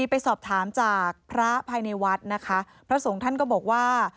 ไปสอบถามจากพระภายในวัดนะคะพระสงฆ์ท่านก็บอกว่า